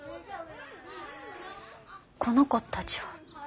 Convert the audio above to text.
この子たちは。